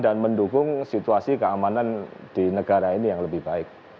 dan mendukung situasi keamanan di negara ini yang lebih baik